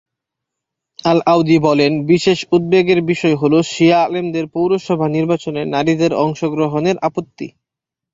আল-আওধী বলেন, বিশেষ উদ্বেগের বিষয় হল শিয়া আলেমদের পৌরসভা নির্বাচনে নারীদের অংশগ্রহণের আপত্তি।